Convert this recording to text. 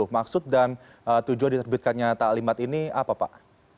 maksud dan tujuan diterbitkannya taklimat ini apa pak